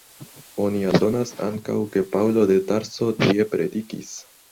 Oni aldonas ankaŭ ke Paŭlo de Tarso tie predikis.